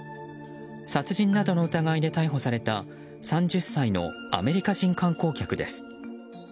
殺人などの疑いで逮捕された３０歳のアメリカ人観光客です。